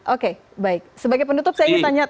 oke baik sebagai penutup saya ingin tanya